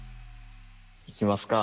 いきますか。